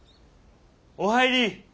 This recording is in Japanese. お入り！